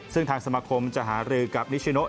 ซึ่งทางสมาคมจะหารือกับนิชโน